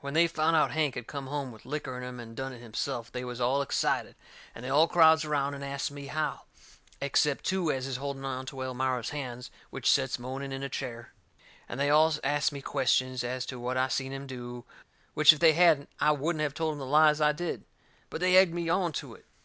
When they found out Hank had come home with licker in him and done it himself, they was all excited, and they all crowds around and asts me how, except two as is holding onto Elmira's hands which sets moaning in a chair. And they all asts me questions as to what I seen him do, which if they hadn't I wouldn't have told em the lies I did. But they egged me on to it.